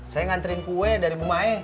saya ngantriin kue dari bumae